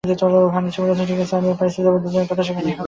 ঘানুচি বললেন, ঠিক আছে, আমিও প্যারিসে যাব, দুজনের কথা সেখানেই হবে।